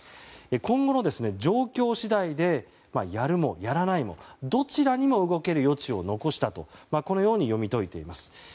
今後の状況次第でやるもやらないもどちらにも動ける余地を残したとこのように読み解いています。